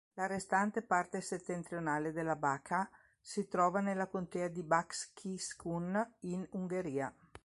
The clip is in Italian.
La restante parte settentrionale della Bačka si trova nella contea di Bács-Kiskun in Ungheria.